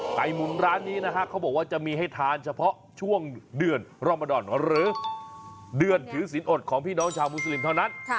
ไก่หมุนร้านนี้นะฮะเขาบอกว่าจะมีให้ทานเฉพาะช่วงเดือนรมดรหรือเดือนถือศีลอดของพี่น้องชาวมุสลิมเท่านั้น